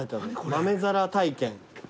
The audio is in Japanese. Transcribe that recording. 豆皿体験。